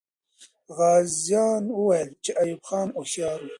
غازیان وویل چې ایوب خان هوښیار وو.